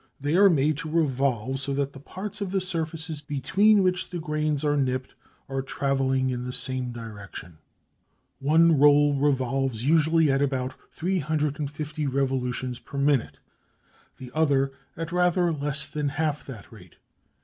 They are made to revolve so that the parts of the surfaces between which the grains are nipped are travelling in the same direction. One roll revolves usually at about 350 revolutions per minute, the other at rather less than half that rate (Fig.